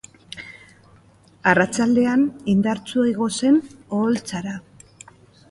Arratsaldean indartsu igo zen oholtzara.